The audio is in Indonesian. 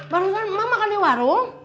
barusan emak makan di warung